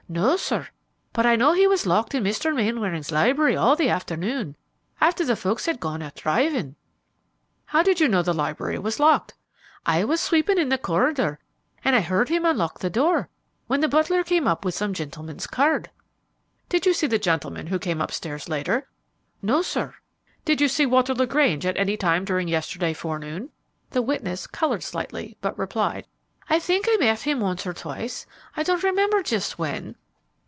"No, sir; but I know he was locked in Mr. Mainwaring's library all the afternoon, after the folks had gone out driving." "How do you know the library was locked?" "I was sweeping in the corridor, and I heard him unlock the door when the butler came up with some gentleman's card." "Did you see the gentleman who came up stairs later?" "No, sir." "Did you see Walter LaGrange at any time during yesterday forenoon?" The witness colored slightly, but replied, "I think I met him once or twice; I don't remember just when."